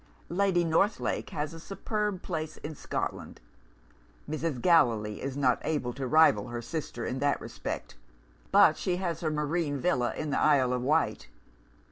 Lady Northlake has a superb place in Scotland. Mrs. Gallilee is not able to rival her sister in that respect but she has her marine villa in the Isle of Wight.